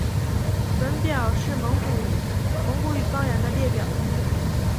本表是蒙古语方言的列表。